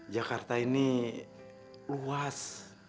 jakarta ini luas